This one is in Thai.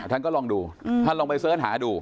ท่านก็ลองดูท่านลองไปเสิร์ชหาดู